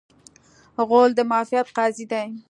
غول د معافیت قاضي دی.